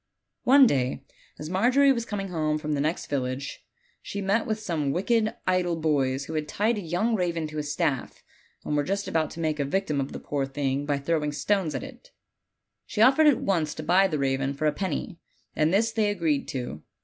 ^ One day, as Margery was coming home from the next village, she met with some wicked, idle boys, who had tied a young raven to a staff and were just about t9 g OLD, OLD FAIRY TALES. make a victim of the poor thing by throwing stones at it. She offered at once to buy the raven for a penny, and this they agreed to.